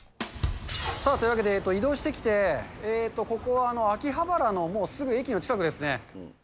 さあ、というわけで移動してきて、ここは秋葉原のもうすぐ駅の近くですね。